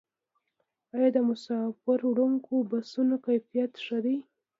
آیا د مسافروړونکو بسونو کیفیت ښه دی؟